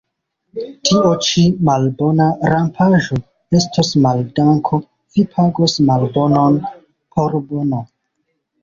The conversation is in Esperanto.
Tio ĉi, malbona rampaĵo, estos maldanko: vi pagos malbonon por bono.